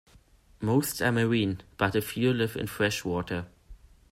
Most are marine, but a few live in fresh water.